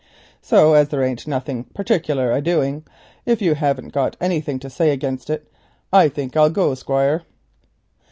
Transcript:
So as there ain't not nothing particler a doing, if you hain't got anything to say agin it, I think I'll go, Squire."